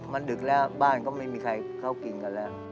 มันดึกแล้วบ้านก็ไม่มีใครเข้ากินกันแล้ว